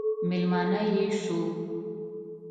مېلمانه یې شو.